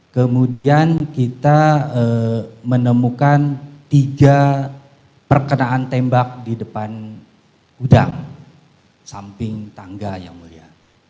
kemudian kita menemukan tiga perkenaan tembak di depan gudang samping tangga yang mulia